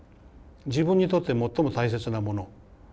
自分にとって最も大切なもの。